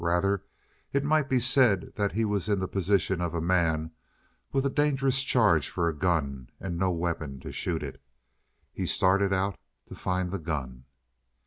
Rather, it might be said that he was in the position of a man with a dangerous charge for a gun and no weapon to shoot it. He started out to find the gun.